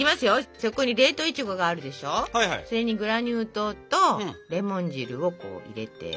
それにグラニュー糖とレモン汁を入れて。